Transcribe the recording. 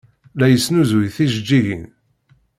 La yesnuzuy tijeǧǧigin.